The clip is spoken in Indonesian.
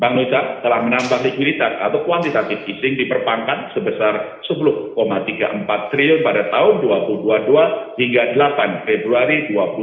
bank indonesia telah menambah likuiditas atau kuantitatif fishing di perbankan sebesar rp sepuluh tiga puluh empat triliun pada tahun dua ribu dua puluh dua hingga delapan februari dua ribu dua puluh